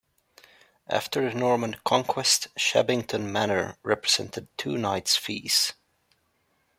After the Norman conquest, Shabbington Manor represented two knight's fees.